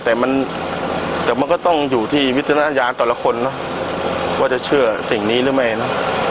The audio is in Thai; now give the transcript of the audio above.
แต่มันแต่มันก็ต้องอยู่ที่วิจารณญาณแต่ละคนนะว่าจะเชื่อสิ่งนี้หรือไม่นะ